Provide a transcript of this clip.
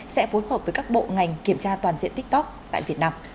sẽ phối hợp với các bộ ngành kiểm tra toàn diện tiktok tại việt nam